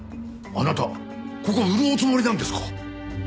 あなたここ売るおつもりなんですか？